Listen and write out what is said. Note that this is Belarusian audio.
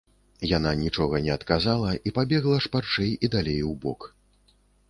Яна нічога не адказала і пабегла шпарчэй і далей убок.